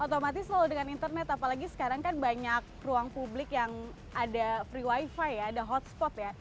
otomatis selalu dengan internet apalagi sekarang kan banyak ruang publik yang ada free wifi ya ada hotspot ya